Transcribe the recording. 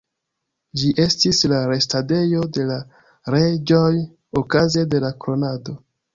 Ĝi estis la restadejo de la reĝoj okaze de la kronado.